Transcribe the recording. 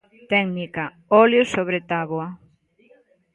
Técnica: Óleo sobre táboa.